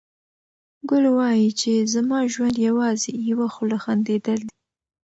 ګل وايي چې زما ژوند یوازې یوه خوله خندېدل دي.